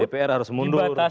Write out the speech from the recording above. dpr harus mundur